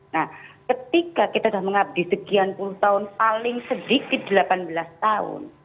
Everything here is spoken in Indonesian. nah ketika kita sudah mengabdi sekian puluh tahun paling sedikit delapan belas tahun